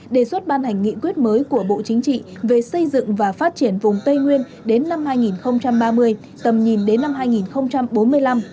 đề xuất ban hành nghị quyết mới của bộ chính trị về xây dựng và phát triển vùng tây nguyên đến năm hai nghìn ba mươi tầm nhìn đến năm hai nghìn bốn mươi năm